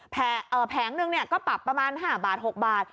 แผงนึงก็ปรับประมาณ๕บาท๖บาท